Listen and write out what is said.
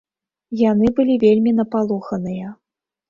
Яны былі вельмі напалоханыя.